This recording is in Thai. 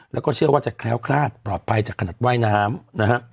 แล้วก็เชื่อว่าจะแคล้วคลาดปลอดภัยจากขนาดว่ายน้ำนะฮะ